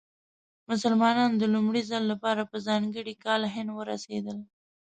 مسلمانان د لومړي ځل لپاره په ځانګړي کال هند ورسېدل.